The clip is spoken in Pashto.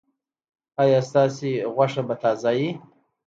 ایا ستاسو غوښه به تازه وي؟